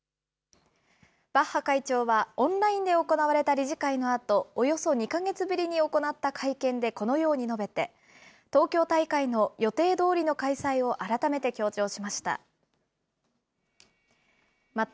バッハ会長は、オンラインで行われた理事会のあと、およそ２か月ぶりに行った会見でこのように述べて、東京大会の予定どおりの開催を改めて強調しました。